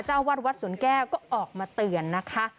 เจ้าวัดวัดสวนแก้วก็ออกมาเตือนนะคะ